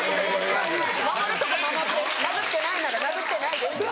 守るとこ守って殴ってないなら殴ってないでいいんです。